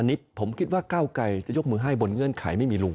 นิดผมคิดว่าก้าวไกรจะยกมือให้บนเงื่อนไขไม่มีลุง